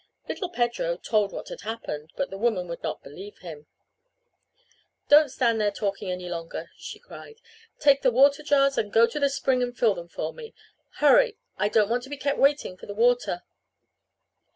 Little Pedro told what had happened, but the woman would not believe him. "Don't stand there talking any longer!" she cried. "Take the water jars and go to the spring and fill them for me. Hurry, I don't want to be kept waiting for the water!"